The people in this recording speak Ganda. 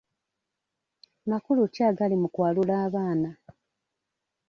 Makulu ki agali mu kwalula abaana?